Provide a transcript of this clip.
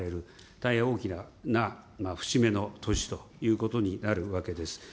大変大きな節目の年ということになるわけです。